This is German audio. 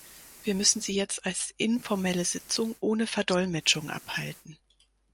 Wir müssen sie jetzt als informelle Sitzung ohne Verdolmetschung abhalten.